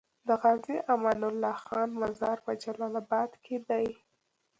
د غازي امان الله خان مزار په جلال اباد کی دی